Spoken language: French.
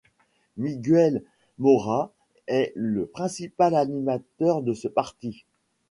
Miguel Maura est le principale animateur de ce parti.